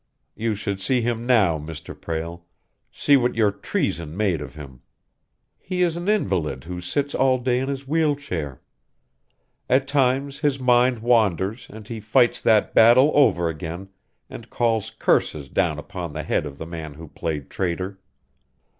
You should see him now, Mr. Prale see what your treason made of him. He is an invalid who sits all day in his wheel chair. At times his mind wanders and he fights that battle over again and calls curses down upon the head of the man who played traitor!